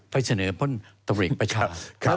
ไปเสนอพ่นตะวิหริกประชา